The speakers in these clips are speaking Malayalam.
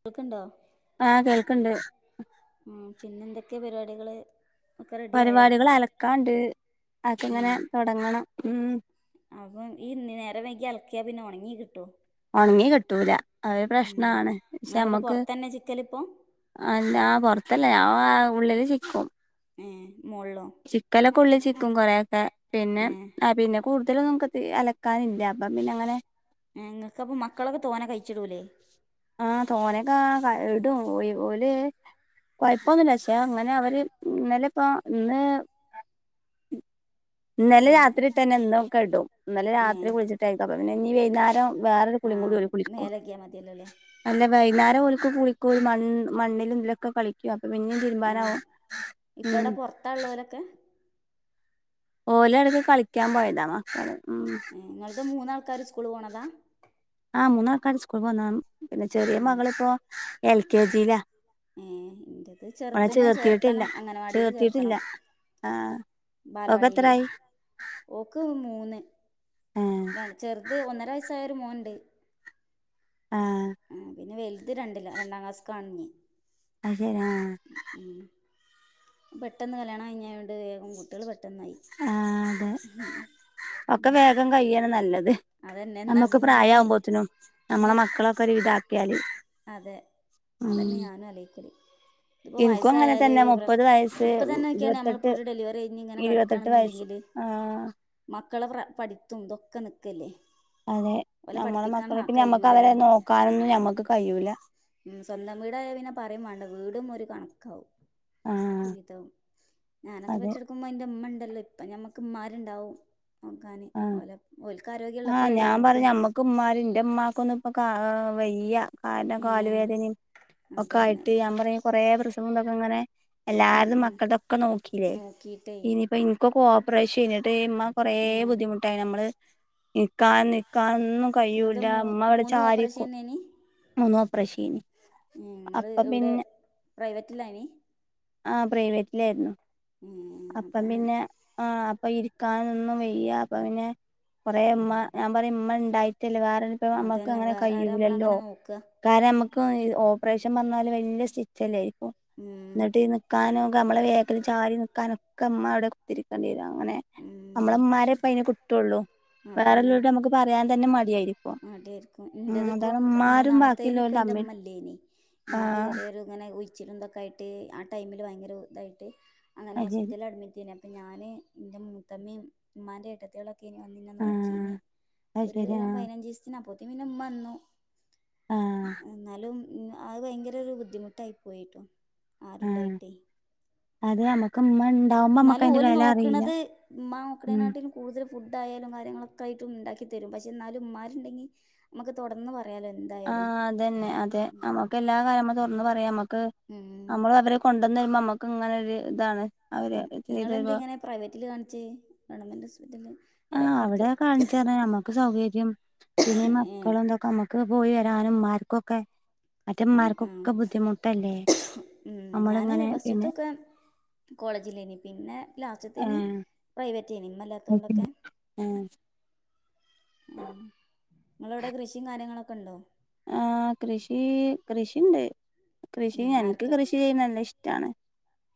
ങ്ങക്കുണ്ടോ? ആഹ് കേൾക്ക്ണ്ട് [inaudible] ഉം പിന്നെന്തൊക്കെ പരിപാടികള്? ഒക്കെ റെഡി ആയോ പരിപാടികള് അലക്കാണ്ട്. അതൊക്കെങ്ങനെ ഏഹ് തൊടങ്ങണം. ഉം. അപ്പം ഈ നേരം വൈകി അലക്ക്യാ പിന്നെ ഒണങ്ങി കിട്ടോ? ഒണങ്ങി കിട്ടൂല. അത് ഉം പ്രശ്നാണ്. പക്ഷേ നിങ്ങളവിടെ നമ്മക്ക് പൊറത്തന്നെ ചിക്കലിപ്പോ അല്ലാ ആഹ് പൊറത്തല്ല. ഞാൻ ആഹ് ആഹ് ഉള്ളില് ചിക്കും. ഏഹ് മോൾളോ ചിക്കനൊക്കെ ഉള്ളിൽ ചിക്കും കൊറെൊക്കെ പിന്നെ ഏഹ് ആ പിന്നെ കൂടുതലൊന്നും നമുക്ക് തി അലക്കാനില്ല അപ്പം പിന്നെ അങ്ങനെ ഇങ്ങൾക്ക്പ്പ മക്കളൊക്കെ തോന കഴിച്ചിടൂല്ലേ ആഹ തോനൊക്കാ ക ഇടും ഓയ് ഓല് കുഴപ്പമൊന്നുമില്ല പക്ഷെ അങ്ങനെ അവര് ഇന്നലെ ഇപ്പ ഇന്ന് ഇന്നലെ ആഹ് രാത്രിഇട്ട തന്നെ ഇന്നൊക്കെ ഇടും ഇന്നലെ ഏഹ് രാത്രി കുളിച്ചട്ടായിരിക്കും അപ്പ പിന്നെ ഇഞ്ഞി വൈന്നാരം വേറെ ഒരു കുളി കൂടി അവര് കുളിക്കും മേല് ക്കെയികിയൽ മതിയല്ലോ അല്ലേ അല്ല വൈന്നേരം ഓലക്ക് കുളിക്കൊ മണ് മണ്ണിൽ ഇതിലൊക്കെ കളിക്ക അപ്പൊ പിന്നേ തീരുമ്പാനാവും ഉം തള്ളൂലൊക്കെ ഓല് അടുക്ക് കളിക്കാൻ പോയതാ മക്കള് ഉം നിങ്ങുൾത് മൂന്നാ ആൾക്കാര് സ്കൂൾ പോണതാ ആഹ് മൂന്നാൾക്കാര് സ്കൂൾ പോന്ന പിന്നെ ചെറിയ ഏഹ് മകളിപ്പോ എൽ കെ ജി ല്ലാ ഏഹ് ഇന്റത് അവളെ ചെറുതിനെ ചേർത്തിട്ടില്ല ചേർത്തണം അംഗനവാടിയില് ചേർത്തിട്ടില്ല ആഹ ബാലവാടില്ലേ ഓക്ക് മൂന്ന് ആ ചെറുത് ഒന്നര വയസ്സായ ഒരു മോൻണ്ട് ആ ആഹ് പിന്നെ വല് ഇത് രണ്ടില്ല രണ്ടാം ക്ലാസ് കാണ്ഞി [unintelligible] ഉം പെട്ടെന്ന് കല്യാണം കഴിഞ്ഞയോണ്ട് വേഗം കുട്ടികൾ പെട്ടെന്നായി ആഹ് അതെ ഒക്കെ ഉം വേഗം കയാണ് നല്ലത് അതന്നെ എന്നാ നമ്മുക്ക് പിന്നെ പ്രായ ഇഞ്ഞി ആവുമ്പോത്തിനും ഇഞ്ഞി നമ്മളെ എടുക്ക മക്കളൊക്കെ ഒരു വിതാക്കിയാല് അതെ അതന്നെ ഞാനും അലൊയിക്കല് ഇപ്പോ ഇൻക്കും അങ്ങനെ വയസ്സായാൽ തന്നെ പ്രസ് മുപ്പത് വയസ്സ് ഇപ്പം തന്നെ നോക്യാണി ഇരുപത്തെട്ട് നമ്മളിപ്പോൾ ഒരു ഡെലിവറി കഴിഞ്ഞ് ഇങ്ങനെ ഇരുപത്തെട്ട് വയസ്സ് കിടക്കുകണെന്നുണ്ടെങ്കിൽ ആ മക്കളെ പ്രാ പഠിത്തുംതൊക്കെ നിക്കല്ലേ അതെ ഓലെ നമ്മളെ പഠിപ്പിക്കാൻ മക്കളെ ഹ പിന്നെ ഞമ്മക്ക് കയ്യൂലല്ലോ അവരെ നമ്മക്ക് നോക്കാനൊന്നും ഞമ്മക്ക് കഴിയൂല ഉം സ്വന്തം വീടായ പിന്നെ പറയും വേണ്ട വീടും ഒരു കണക്കാവും ആഹ് രുവിതവും ഞാനൊക്കെ അതെ പെറ്റ്കെടക്കുമ്പോ ഇന്റെ ഉമ്മ ഉണ്ടല്ലോ ഇപ്പ ഞമ്മക്ക്മാരുണ്ടാവും നോക്കാന് ആഹ് ഓല ഓല്ക്ക ആരോഗ്യം ഉള്ളപ്പോഴല്ലേ നമ്മുക്കും ക് മ്മാര് ഇന്റെമ്മമാക്കൊന്നും ഇപ്പ കാ വയ്യ ഏഹ് നാല്ലകാലുവേദനിം ഒക്കെ അതന്നെ ആയിട്ട് ഞാൻ പറഞ്ഞ കൊറെ പ്രശ്നങ്ങളും തൊക്കെ ഇങ്ങനെ ഉം എല്ലാവരതും ഉം മക്കൾതൊക്കെ നോക്കില്ലേ നോക്കീട്ടേ ഇനിയിപ്പോ ഇൻ ഒക്ക് ഓപ്പറേഷെയ്ന് എന്നിട്ട് ഇമ്മ കൊറേ ഏഹ് ബുദ്ധിമുട്ടായി നമ്മള് ഇരിക്കാനും നിക്കാന്നും ഒന്നും നിങ്ങളത് കയ്യൂല്ല മൂ ഇമ്മ ഇവിടെ മൂന്ന് ചാരിക്കും പ്രഷെയ്ന് ങ്ങള് എവിടെ പ്രൈവറ്റില്ലായിന് ആഹ് പ്രൈവറ്റിലായിരുന്നു ഉം അപ്പ പിന്നെ ആ അപ്പൊ ഇരിക്കനൊന്നും വെയ്യ അപ്പൊ പിന്നെ കുറേ ഉമ്മ ഞാൻ പറയും ഉമ്മ ഉണ്ടായിട്ടല്ലേ വേറെ ഇപ്പ നമ്മൾക്ക് അതന്നെ അങ്ങനെ വേറെ ആരാ കയ്യൂലല്ലോ നമ്മളങ്ങനെ നോക്കുക കാരണംം നമ്മുക്ക് ഓപ്പറേഷൻ പറന്നാല് വല്യ സ്റ്റിച്ചല്ലേ ഇപ്പ ഉം എന്നിട്ട് നിക്കാനും നമ്മളെ വേക്കിൽ ചാരി നിക്കാനൊക്ക ഇമ്മ അവിടെ കുത്തിരിക്കേണ്ടി വരും അങ്ങനെ ഉം നമ്മളെമ്മാരെപ്പ അയിന് കിട്ടൊള്ളൂ വേറെല്ലോലൊട് നമുക്ക് പറയാൻ തന്നെ മടിയായി മടിആയിരിക്കും ഇന്റതിപ്പം ഇമ്മാരും മൂന്നാമത്തേനി ഇപ്പ ബാക്കിയുള്ളോരും തമ്മിൽ ഇന്റെഇമ്മല്ലേയിന് ആ ഉമ്മാക്ക് ചെറിയൊരു അങ്ങനെ ഒഴിച്ചിലും ഇതൊക്കെ ആയിട്ട് ആഹ് ടൈമില് ഭയങ്കര ഇതായിട്ട് അങ്ങനെ അത് ശരി ഹോസ്പിറ്റലിൽ അഡ്മിറ്റ് ആന്നു അപ്പം ഞാന് എന്റെ മൂത്തമ്മയും ഉമ്മാന്റെ എട്ടത്തികളൊ ഓക്കേനി വന്നന്നെ ആ നോക്കിന് അത് ഒരു ശരി ആ പതിനഞ്ച് ദിവസത്തിന് അപ്പത്തേ പിന്നെ അമ്മ വന്നു ആഹ് എന്നാലും അത് ഭയങ്കര ഒരു ബുദ്ധിമുട്ടായി പോയിട്ടോ ആരുല്ലായിട്ടേ [unintelligible] ക്കമ്മണ്ടാവ് ന്നാലും ഓല് നോക്കണത് ഉമ്മാ ഉം നോക്കണേകാട്ടിലും കൂടുതല് ഫുഡ് ആയാലും കാര്യങ്ങളൊക്കെ ആയിട്ടും ഉണ്ടാക്കിത്തരും പക്ഷേ എന്നാലും ഉമ്മാരുണ്ടെങ്കിൽ നമുക്ക് തുറന്ന് പറ പറയാലോ എന്തായാലും ആഹ് അതന്നെ അതെ നമ്മുക്ക് എല്ലാ കാര്യംമ്മക്ക് തുറന്ന് പറയാം നമ്മുക്ക് ഉം നമ്മള് അവരെ കൊണ്ടുവന്ന് വരുമ്പോ നമ്മക്ക് ഇങ്ങനെ ഒരു ഇതാണ് അവര് ഉം നിങ്ങളെന്ത് ചെയ്തരുമ്പോ ഇങ്ങനെ പ്രൈവറ്റില് കാണിച്ച് [unintelligible] ആഹ് അവിടെ കാണിച്ചാ ഞമ്മ സൗകര്യം പിന്നെ ഏഹ് മക്കളും എന്തൊക്കെ നമ്മുക്ക് പോയി വരാനും മ്മാര്ക്കൊക്കെ ആഹ് ആഹ് മറ്റേമ്മാർക്കൊക്കെ ബുദ്ധിമുട്ടല്ലേ ഉം ഞാന് നമ്മളിങ്ങനെ പിന്നെ ഫസ്റ്റ്ത്തൊക്കെ കോളേജിലേന് പിന്നെ ലാസ്റ്റത്തേന് ഏഹ് പ്രൈവറ്റേന് ഇമ്മല്ലാത്തോണ്ടൊക്കെ ആഹ് ഉം ഇങ്ങളവിടെ കൃഷിയും കാര്യങ്ങളൊക്കെ ഉണ്ടോ ആഹ് കൃഷി കൃഷിണ്ട് കൃഷി ഏഹ് എനിക്ക് ആർക്ക് കൃഷി ചെയ്യുന്ന നല്ല ഇഷ്ടാണ്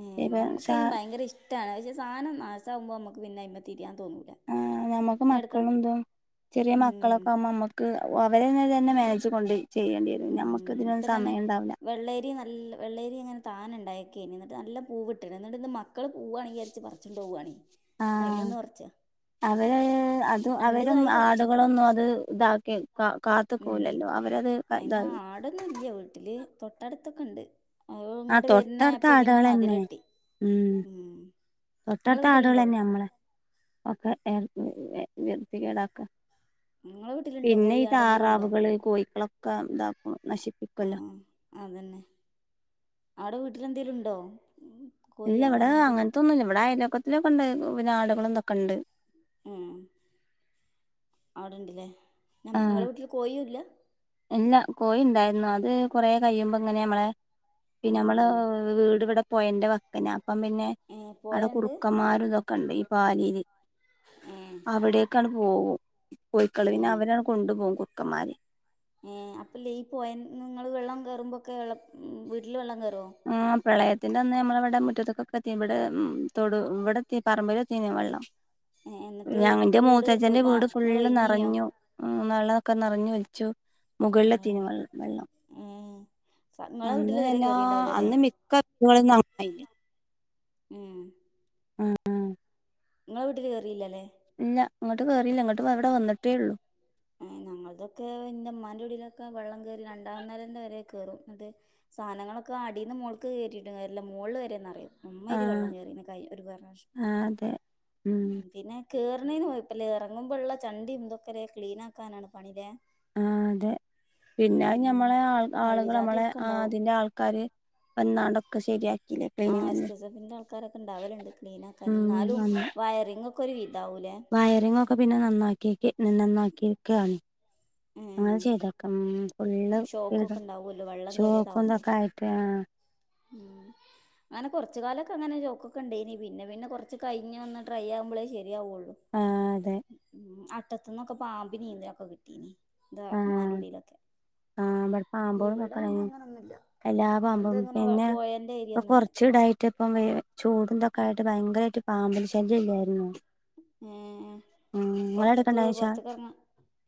ഏഹ് ഇപ്പൊ ചാ നമുക്കതിനും ഭയങ്കര ഇഷ്ടാണ് പക്ഷെ സാധനംനാശ ആകുമ്പോ നമുക്ക് പിന്നെ അയിന്മേ തിരിയാൻ തോന്നൂല ആഹ് നമ്മുക്ക് പിന്നെ എടക്കെടക്ക് മക്കളുംതും ചെറിയ ഉം മക്കളൊക്കെ ആവുമ്പോ നമ്മു ക്ക് അവരെ തന്നെ മാനേജ് കൊണ്ട് ചെയ്യേണ്ടിവരും നമുക്ക് ഇതിനൊന്നും സമയുണ്ടാവില്ല വെള്ളയരി നല്ല വെള്ളയരി അങ്ങനെ താൻ ഉണ്ടായക്കേനി എന്നിട്ട് നല്ല പൂവിട്ടരുന്നു എന്നിട്ട് ഇന്ന് മ ക്കള് പൂവാണ് വിചാരിച്ച് പറുച്ചോണ്ട് പോവാണ് അയ്മേന്ന് പറിച്ചാ അതേ അതും രണ്ട് അവരും കായ് പറിച്ചുപ്പോ ആടുകളൊന്നും അത് ഇതാക്കി ഉം കാത്തിക്കൂലല്ലോ അയിന് ആടൊന്നും ഇല്ല വീട്ടില് തൊട്ടടുത്തൊക്കെ ഇണ്ട് ആഹ് തൊട്ടടുത്ത ആടുകളന്നെ ഉം നിങ്ങളെ തൊട്ടടുത്ത ആടുകള് വീട്ടിലുണ്ടോ തന്നെ നമ്മളെ ഒക്കെ വൃത്തി കേടാക്കാ നിങ്ങളെ വീട്ടിലുണ്ടോ പിന്നെ കോയി ഈ ആടെന്തേലും ഉണ്ടോ താറാവുകള് കോഴിക്കളൊക്കെ ഇതാക്കും ആ നശിപ്പിക്കുവല്ലോ അതന്നെ അവിടെ വീട്ടില് എന്തേലും ഉണ്ടോ കോഴി ഇല്ല ആട് ഇവിടെ അങ്ങനത്തെ അങ്ങനെതൊന്നും ഇല്ല ഇവിടെ അയലക്കത്തിലൊക്കെ ഉണ്ട് പിന്നാടുകളും ഇതൊക്കെണ്ട് ഉം അവിടുണ്ടല്ലേ ആഹ് നിങ്ങളെ വീട്ടില് കോഴിയും ഇല്ല ഇല്ല കോഴി ഉണ്ടായിരുന്നു അത് കൊറെ കഴിയുമ്പോ ഇങ്ങനെ നമ്മളെ ആ പിന്നെ ആ നമ്മള് വീട് ഇവിടെ പൊഴേന്റെ വക്കിനാ അപ്പം പിന്നെ ഏ അവടെ പുഴയുണ്ട് കുറുക്കന്മാരുതൊ ക്കണ്ട് ഈ പാലിൽ ഏ അവിടെക്കാണ് പോകും കോയിക്കള് ഏ പിന്നെ അവരാണ് കൊണ്ടുപോകും കുറുക്കന്മാര് ഏഹ് അപ്പംല്ലേ ഈ പൊയേ നിങ്ങള് വെള്ളം കേറുമ്പോക്കെ വെള്ളം വീട്ടില് വെള്ളം കേറുവോ ആഹ് പ്രളയത്തിന്റെന്ന് നമ്മളെ ഇവിടെ മുറ്റത്തക്കൊക്കെത്തി ഇവിടെ തൊടു ഇവിടെത്തി പറമ്പിലെത്തീന്ന് വെള്ളം ഏ എന്നിട്ട് ഞാ എന്റെ വീട് മൂത്തച്ഛന്റെ വീട് നിങ്ങൾ ഫുള്ള് ഒഴിഞ്ഞീനോ നെറഞ്ഞു ആഹ് വെള്ളോക്കെ നെറഞ്ഞ് ഒലിച്ചു ഏ മുകളിലെത്തീന്ന് വെ വെള്ളം ഏ സ- നിങ്ങളെ വീട്ടിൽ അന്ന് ഇതുവരെ എല്ലാ കയറിയിട്ടുണ്ടാവില്ല അല്ലേ അന്ന് മിക്ക [unintelligible] ഉം ഉം ങ്ങളെ വീട്ടില് കേറില്ലല്ലേ? ഇല്ല ഇങ്ങട്ട് കേറില്ല. ഇങ്ങട്ട് ദാ അവിടെ വന്നിട്ടേള്ളു. ഏഹ് ഞങ്ങൾതൊക്കെ, ന്റ ഉമ്മാന്റെ കുടീലൊക്കെ വെള്ളം കേറി രണ്ടാനെലേന്റെ വരെ കേറും. ന്നിട്ട് സാനങ്ങളൊക്കെ അടീന്ന് മോൾക്ക് കേറ്റിയിട്ടും കാര്യല്ല. മോള് വരെന്നറയും. അമ്മരി ആ വെള്ളം കേറീന്ന് കൈ ഒരു പ്രാവശ്യം. ആ അതെ ഉം പിന്നെ കേറണേന് കൊയപ്പല്ല്യ. എറങ്ങുമ്പള്ള ചണ്ടി എന്തൊക്കരെ ക്ലീൻ ആക്കാനാണ് പണീല്ലേ? ഉം അതെ. പിന്നെ ഞമ്മളെ ആൾ ആളുകള്. വള്ളിജാതി നമ്മളെ ഒക്കെ അഹ് ഉണ്ടാവും അതിന്റെ ആൾക്കാര് വന്നാണ്ടൊക്കെ ശരിയാ ആഹ് എസ് കെ എസ് എസ്സഫിന്റെ ആൾക്കാരൊക്കെ ഇണ്ടാവലുണ്ട് ക്ലീൻ ആക്കാന്. ഉം എന്നാലും വയറിംഗ് ഒക്കെ ഒരു വിധാവൂല്ലേ? വയറിങ്ങ് ഒക്കെ പിന്നെ നന്നാക്കിക്കി നന്നാക്കിക്കാണ് അങ്ങനെ ചെയ്തേക്കാ. ഉം ഫുൾ ഷോക്കൊക്കെ [unintelligible] ഉണ്ടാവുമല്ലോ വെള്ളം ഷോക്കും കയറിയതാവുമ്പോൾ ഇതൊക്കെ ആയിട്ട്. ആഹ് ഉം അങ്ങനെ കൊറച്ച് കാലൊക്കെ അങ്ങനെ ഷോക്കൊക്കെ ഉണ്ടയിന്. പിന്നെ പിന്നെ കൊറച്ച് കഴിഞ്ഞ് ഡ്രൈ ആവുമ്പോഴേ ശരിയാവൊള്ളു. ആഹ് അതെ ഉം ഉം. അട്ടത്ത്ന്നൊക്കെ പാമ്പിനീം ഇതിനൊക്കെ കിട്ടീന്. ഇന്റെ ഉമ്മാന്റെ കുടീലൊക്കെ ആഹ് ബടെ പാമ്പാളും ഇവിടെ ഇതൊക്കെ പിന്നെ ഉണ്ടായിന്നു അങ്ങനൊന്നുല്ല എല്ലാ ഇങ്ങൾത് പാമ്പും. അങ്ങനെ പിന്നെ പോയേന്റെ ഇപ്പ ഏരിയൊന്നല്ല കൊറച്ച് ഇടായി ട്ട് ഇപ്പം വെ ചൂടുംന്തൊക്കായിട്ട് ഭയങ്കരായിട്ട് പാമ്പ് ല് ശല്യം ഇല്ലായിരുന്നു ഏഹ് ഉം നിങ്ങളുടെ പൊറത്ത്ക്ക് അവിടെക്കാണ്ടായോ ച്ചാ? പൊറത്ത്ക്ക് എറങ്ങാ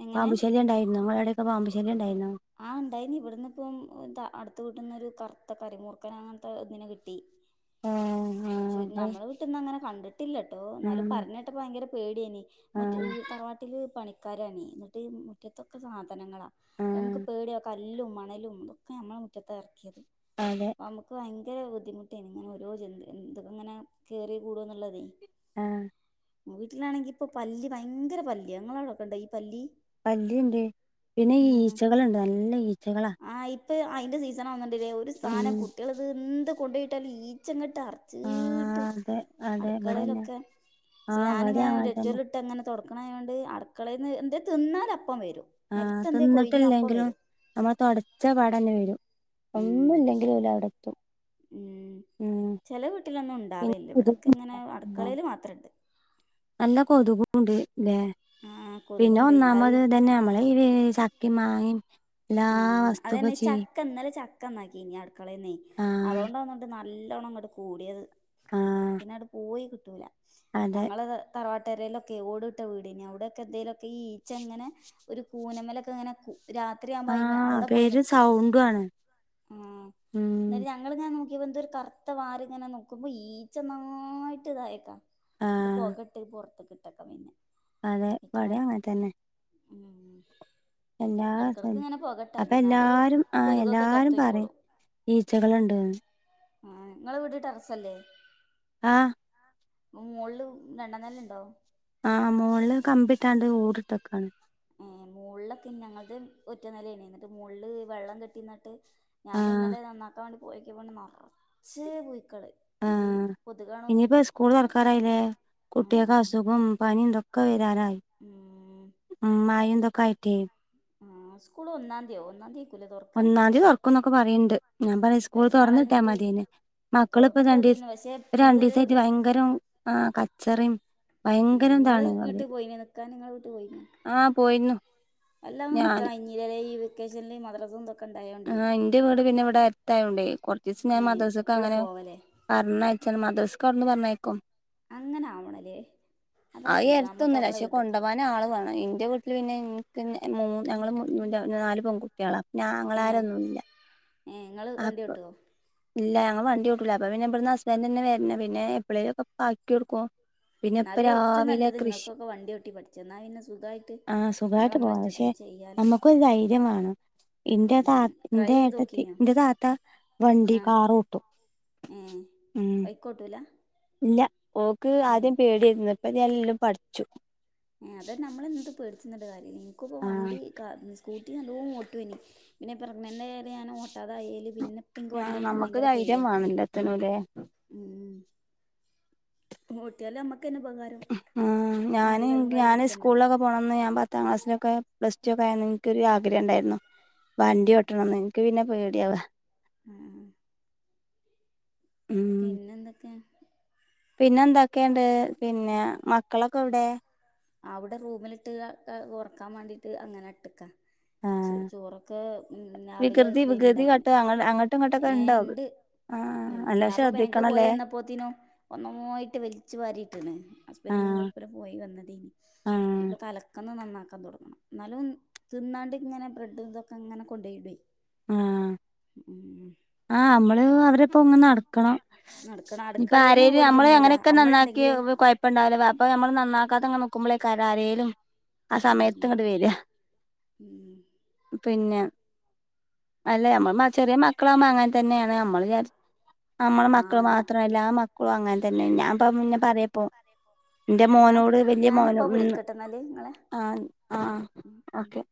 എങ്ങനെ പാമ്പുശല്ല്യം ഇണ്ടായോ? നിങ്ങൾ അവിടെയൊക്കെ പാമ്പ് ശല്ല്യംണ്ടായിനോ? ആഹ് ഉണ്ടായിന്ന് ഇവിടന്ന് ഇപ്പം എന്താ അടുത്ത് വീട്ടീന്നൊരു കറുത്ത കരിമൂർക്കനങ്ങനത്തെ ഒന്നിനെ കിട്ടി. [unintelligible] ഞമ്മള വീട്ടിന്ന് അങ്ങനെ കണ്ടിട്ടില്ലട്ടോ. എന്നാലും ഉം പറഞ്ഞ് കേട്ടപ്പോ വയങ്കര പേട്യായിനി ആ മുറ്റ് ഇഹ് തറവാട്ടില് പണിക്കാര് ആണേ. ന്നിട്ട് മുറ്റത്തൊക്കെ സാധനങ്ങളാ ആ നമ്മുക്ക് പേട്യാ. കല്ലും മണലും ഒക്കെ നമ്മളെ മുറ്റത്താ എറക്കിയത്. അതെ നമുക്ക് ഭയങ്കര ബുദ്ധിമുട്ടിന്. ഇങ്ങനെ ഓരോ ജന്തു എന്ത് ഇങ്ങനെ കയറി കൂടോ എന്നുള്ളതേ. ആഹ് വീട്ടിലാണെങ്കി ഇപ്പോ പല്ലി, ഭയങ്കര പല്ല്യാ. ങ്ങളോടൊക്കെണ്ടോ ഈ പല്ലി? പല്ലിയുണ്ട്. പിന്നെ ഉം ഈച്ചകളുണ്ട് നല്ല ഈച്ചകളാ ആ ഇപ്പോ അയിൻ്റെ സീസണാ തോന്നുണ്ട് ല്ലേ. ഒരു സാനം ഉം കുട്ടികളിത് എന്ത് കൊണ്ടയിട്ടാലും ഈച്ചങ്ങോട്ട് അർ ആ ച്ചീട്ട് അതെ അതെ ഇവിടെന്നെ അടുക്കളയിലൊക്കെ ആ പക്ഷേ ഇവിടെ ഞാനിങ്ങനെ അങ്ങനെ തന്നെ [unintelligible] ഇട്ട് അങ്ങനെ തൊടക്കണങ്ങാണ്ട് അട്ക്കളേന്ന്. എന്തേ തിന്നാലപ്പം വരും. ആഹ്. നിലത്ത് എന്തേ കൊഴിഞ്ഞ അപ്പം തിന്നിട്ടില്ലെങ്കിലും വരും നമ്മള് തൊടച്ച പാടന്നെ വരും. ഉം ഒന്നുല്ലേ ലും ഓല് അവിടെത്തും ഉം. ചെല വീട്ടിലൊന്നും പിന്നെ ഉണ്ടാവേല്ല. ഇവിടെക്കെ കൊതുകും ഇങ്ങനെ അടുക്കളേല് മാത്രണ്ട്. നല്ല കൊതുകും ഉണ്ട്ല്ലേ? ആ പിന്നെ കൊതുകുണ്ട് അത് ഒന്നാമത് തന്നെ നമ്മളെ ഈ വീ ചക്- ക്കേം മാങ്ങീമം എല്ലാ വസ്തുക്ക ചീ ക്ക ഇന്നലെ ചക്കന്നാക്കി ഞ്ഞി അടുക്കളേന്നേ. ആ അതുകൊണ്ടാ തോന്നണ്ട് നല്ലോണ്ണം ങ്ങട് കൂടിയത്. ആഹ് പിന്നെ അങ്ങട് പോയി കിട്ടൂല. അതെ ഞങ്ങള ട തറവാട്ടരയിലൊക്കെ ഓടിട്ട വീടേന്. അവ്ടെ ഒക്കെ എന്തേലൊക്കെ ഈ ഈച്ച ഇങ്ങനെ ഒരു കൂനമ്മ്ലോക്കെ ഇങ്ങനെ രാ [unintelligible] ആകുമ്പോ ആഹ് അവിടെ പോയി പേരും നിക്കും സൗണ്ടു ആണ് ഉം ന്നിട്ട് ഉം ഞങ് ങ്ങൾങ്ങനെ നോക്കിയപ്പോ എന്തോരു കറുത്ത വാല് ഇങ്ങനെ നോക്കുമ്പോ ഈച്ച ഒന്നായിട്ട് ഇതായേക്കാ ഇത് ആഹ് പോക ഇട്ട് പുറത്ത്ക്ക്‌ ഇട്ടത്ര പിന്നെ അതെ ഈറ്റളെ ഇപടെ അങ്ങൻ തന്നെ ഉം എല്ലാ എടക്കെടക്ക് ഇങ്ങനെ പൊകട്ടാതി അപ്പൊ ഇന്നാല് എല്ലാരും ആഹ് കൊതുകൊക്കെ എല്ലാരും ചത്തൊയ്ക്കോളും പറയും ഈച്ചകൾണ്ട്ന്ന് ആഹ് ങ്ങളെ വീട് ടെറസല്ലേ ആഹ് ങ്ങ മോൾള് രണ്ടാം നെല ഉണ്ടോ? ആഹ് മോൾള് കമ്പിട്ടാണ്ട് ഓടിട്ട്ക്കാണ് ഉം മോൾലൊക്കെ ഞങ്ങക്ക് ഒറ്റനിലാണ് എന്നിട്ട് മോൾല് വെള്ളം കെട്ടിന്നിട്ട് ഞാന് ആഹ് ഇന്നലെ നന്നാക്കാൻ വേണ്ടി പോയൊക്കിയപ്പോണ്ട് നറച്ച് പുഴുക്കള് ഈ ആഹ് ഇനിപ്പോ കൊതുകാണോന്നുണ്ടേ സ്കൂൾ തുറക്കാരായില്ലേ കുട്ട്യേക്ക്‌ ആഹ് അസുഖം പനിം തൊക് ക്ക വരാറായി ഉം ഉം മയിം തൊക്കെ ആയിട്ടേ ആഹ് സ്കൂൾ ഒന്നാംന്ത്യോ ഒന്നാന്തി ഒന്നാംന്തി തൊറക്കേന്നൊക്കെ പറിണ്ട് ഞാൻ പറയാ സ്കൂള് പെരുന്നാള് തൊർന്ന്ട്ട്യാ കഴിഞ്ഞിട്ട് മത്യേഞ് മക്കളിപ്പോ രണ്ടിസ തൊറന്നിട്ടതേനു പക്ഷെ ഇതുവരെ രണ്ടീസായിട്ട് ഭയങ്കരം ആഹ് കച്ചറിം ഉം ഭയങ്കരം ങ്ങള് ഇതാണ് അവര് വീട്ടി പോയിന്യോ നിക്കാൻ നിങ്ങള് വീട്ട് പോയിന്യോ ആ പോയിരുന്നു എല്ലാം ഞാന് നിക്കായിഞ്ഞില്ലെ ഈ വെക്കേഷനി മദ്രസും തൊ ആഹ് ന്റെ വീട് പിന്നെ ഇവിടെ അടുത്തായോണ്ടേ കൊർച്ചീസം ഞാൻ ഏ എപ്പളും മദ്റസക്കങ്ങനെ പോവലേ പറഞ്ഞയച്ചൻ മദ്രസ്കവിട്ന്ന് പറഞ്ഞയക്കും അങ്ങനെ ആവണല്ലേ അതാ സുഖം നമ്മക്ക് അഎടുത്തൊന്നുംല്ല നമ്മളെ പക്ഷെ വീട്ട്ക്ക് കൊണ്ടോവാൻ ആള് വേണം ഇന്റെ വി ല്ല്പിന്നെ എങ്ങൾക്ക് മൂ ഞങ്ങള് നാല് പെൺകുട്ട്യേളാണ് ഞാങ്ങളാരൊന്നുല്ല ഏഹ് ഇങ്ങള് വണ്ട്യോട്ടോ ഇല്ല ഞങ്ങൾ വണ്ട്യോട്ടൂല അപ്പൊ പിന്നെ ഇവിടുന്ന് ഹസ്ബൻറ്ന്നെ വര്ണ പിന്നെ എപ്പളേലൊക്ക പ്പ ആക്ക്യോടുക്കു പിന്നെ ഇപ്പൊ എന്നാലും ഏറ്റവും രാവിലെ നല്ലത് കൃഷി ഇങ്ങക്കൊക്കെ വണ്ടി ഓട്ടി പഠിച്ചാ എന്നാ പിന്നെ സുഖായിട്ട് ആഹ് നമ്മള് സുഖായിട്ട് നമ്മളെ പോവാ പക്ഷെ ഇഷ്ടത്തിന് ചെയ്യാലോ നമുക്കൊരു ധൈര്യം വേണം ഇന്റെത ഉം ട്രൈ ഇന്റെ ചെയ്ത് ഏട്ടത്തി നോക്കീനോ ഇന്റെ താത്ത വണ്ടി ആ കാറോട്ടും ഉം കോട്ടൂല ഇല്ല ഓക്ക് ആദ്യം പേട്യരുന്നു ഇപ്പ എല്ലു പഠിച്ചു ഏഹ് അതെന്നെ നമ്മളെന്ത് പേടിച്ചിന്നിട്ടൊരു കാര്യല്ല നിക്കിപ്പോ ആ വണ്ടി ക്ക സ്കൂട്ടി നല്ലോം ഓട്ടോഞ് പിന്നെ പ്രെഗ്നൻ്റായയേരെ ഞാൻ ഓട്ടാതായേല് പിന്നെ ഇപ്പം എനിക്ക് വണ്ടി ആഹ് എടുക്കാൻ നമ്മക്ക് ഭയങ്കര ധൈര്യം പേടിയാ വേണല്ലത്ത്‌ നൂലേ ഉം ഓട്ടിയാല് അമ്മക്ക് തന്നെപകാര ആഹ് ഞാന് പിടിക്കണ്ടല്ലോ ഞാനീസ്കൂൾലൊക്കെ പോണംന്ന് ഞാൻ പത്താം ക്ലാസിലൊക്കെ പ്ലസ് ടു ഒക്കെ ആയന്ന് ഇൻക്കൊരാഗ്രഹംണ്ടായിരുന്നു ഏ വണ്ടി ഓട്ടണംന്നേനി ക്ക്പിന്നെ പേടിയാവ ആഹ് ഉം പിന്നെന്തൊക്കെ പിന്നെ എന്തൊക്കെണ്ട് പിന്നെ മക്കളൊക്കെ എവിടെ അവിടെ റൂമിലിട്ട് ഉറക്കാൻ വേണ്ടിട്ട് അങ്ങനെ ഇട്ട്ക്കാ ചു ആ ചോറൊക്കെ ഉം രാവിലെ വികൃതി തേഞ്ഞി വികൃതി ഇണ്ടാക്കിന് കാട്ട് അങ്ങ അങ്ങോട്ടും ഇങ്ങോട്ടൊക്കെ ഏഹ് ഉണ്ടാവും ഇണ്ട് ആഹ് നല്ലോം ഞാൻപ്പോ ബാങ്ക് പോയി ശ്രദ്ധിക്കണല്ലേ എന്നപ്പോത്തിനോ ഒന്നായി ട്ട് വലിച്ചു വാരിട്ട്ണ് ആഹ് ഹസ്ബന്റിനൊപ്പരം പോയി വന്നതേനി ആഹ് ഇനിപ്പോ തല ക്കന്ന് നന്നാക്കാൻ തുടക്കണം എന്നാലും തിന്നാണ്ട് ഇങ്ങനെ ബ്രെഡ് ഇതൊക്കെ ഇങ്ങനെ കൊണ്ടോയി ഇടുവേ ആഹ് ഏഹ് ആഹ് നമ്മള് അവരെപ്പൊ ഇങ്ങനെ നട ക്കണം നടക്കണം ഇനീപ്പൊ അടുക്കളേന്ന് ആരെലും ഓല് നമ്മള് തിന്നൂല അങ്ങനെയൊക്കെ നന്നാക്കി അമ്മളുണ്ടെങ്കില് കുഴപ്പ പ്പ ഉണ്ടാവൂല. അപ്പോൾ നമ്മൾ നന്നാക്കാതെ അങ്ങ് നിക്കുമ്പോളേകാരം ആരേലും ആ സമയത്ത് ഉം ഇങ്ങട് വരിക ഉം പിന്നെ അല്ല നമ്മൾ ചെറിയ മക്കളാകുമ്പോ അങ്ങനെ തന്നെയാണ്. നമ്മള് വിചാരിച്ച് നമ്മളെ ആ മക്കള് ഞാ മാത്രല്ല എല്ലാ ക്കളും അങ്ങനെ തന്നെആണ്. ഞാൻ ഇപ്പോത് പിന്നെ പറയപ്പോ എന്റെ മോനോട് വലിയ ഞാനിപ്പ മോനും മം വിളിക്കട്ടെന്നാല് നിങ്ങളെ ആ ആ ഉം ഉം ഓക്കെ